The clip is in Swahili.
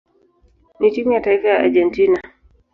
na timu ya taifa ya Argentina.